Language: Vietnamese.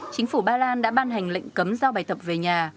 chính phủ ba lan đã ban hành lệnh cấm giao bài tập về nhà